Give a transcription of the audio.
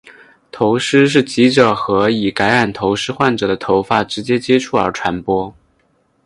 头虱是藉着和已感染头虱患者的头发直接接触而传播。